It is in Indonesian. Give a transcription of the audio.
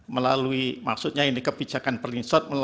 melalui maksudnya ini kebijakan perinhot